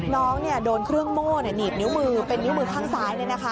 น้องโดนเครื่องโม่หนีบนิ้วมือเป็นนิ้วมือข้างซ้าย